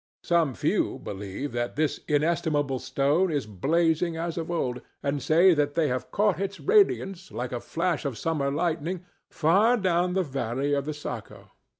Some few believe that this inestimable stone is blazing as of old, and say that they have caught its radiance, like a flash of summer lightning, far down the valley of the Saco.